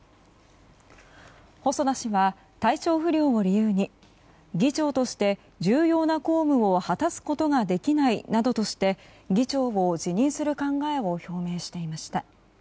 細田氏は体調不良を理由に議長として重要な公務を果たすことができないなどとして議長を辞任する考えを表明していました。